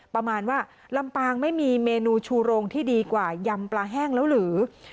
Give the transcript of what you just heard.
ประมาณว่าลำปางไม่มีเมนูชูโรงที่ดีกว่ายำปลาแห้งแล้วหรือ